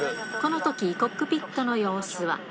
このときコックピットの様子は。